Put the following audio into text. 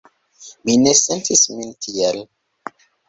Mi ne sentis min tiel.